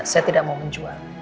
saya tidak mau menjual